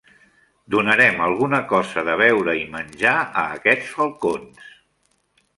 Donarem alguna cosa de beure i menjar a aquests falcons.